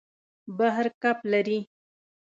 بحر کب لري.